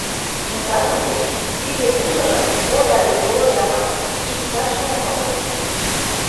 Мутат уке, тиде мужырым, Оля ден Володя манын, иктат шонен огыл.